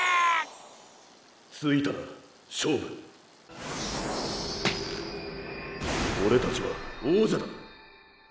ついたな勝負オレたちは王者だ。